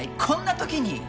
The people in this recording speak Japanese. こんな時に！